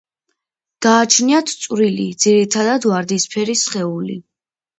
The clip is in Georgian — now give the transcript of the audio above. გააჩნიათ წვრილი, ძირითადად ვარდისფერი სხეული.